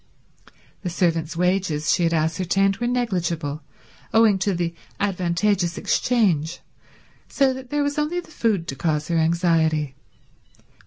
The servants' wages, she had ascertained, were negligible, owing to the advantageous exchange, so that there was only the food to cause her anxiety.